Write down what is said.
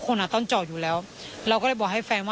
ส่วนรถที่นายสอนชัยขับอยู่ระหว่างการรอให้ตำรวจสอบ